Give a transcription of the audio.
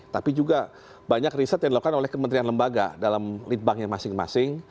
tapi juga banyak riset yang dilakukan oleh kementerian lembaga dalam lead banknya masing masing